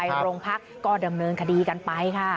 หลบ